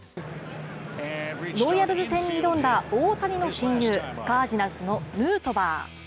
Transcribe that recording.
ロイヤルズ戦に挑んだ大谷の親友カージナルスのヌートバー。